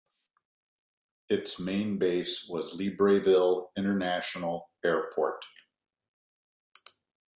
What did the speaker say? Its main base was Libreville International Airport.